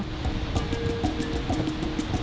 serta menyantap makanan lokal dengan sensasi berbeda